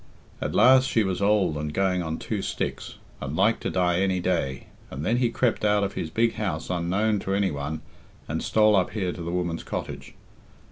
At last she was old and going on two sticks, and like to die any day, and then he crept out of his big house unknown to any one and stole up here to the woman's cottage.